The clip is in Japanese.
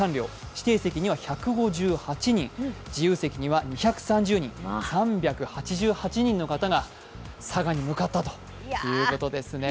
指定席には１５８人、自由席には２３０人、３８８人の方が佐賀に向かったということですね。